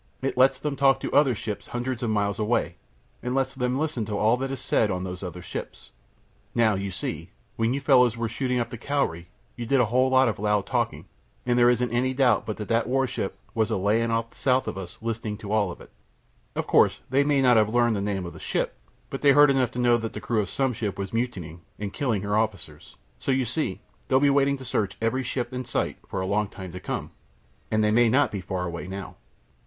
It lets them talk to other ships hundreds of miles away, and it lets them listen to all that is said on these other ships. Now, you see, when you fellows were shooting up the Cowrie you did a whole lot of loud talking, and there isn't any doubt but that that warship was a lyin' off south of us listenin' to it all. Of course they might not have learned the name of the ship, but they heard enough to know that the crew of some ship was mutinying and killin' her officers. So you see they'll be waiting to search every ship they sight for a long time to come, and they may not be far away now."